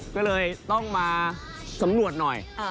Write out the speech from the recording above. ก็เลยต้องมาสำรวจหน่อย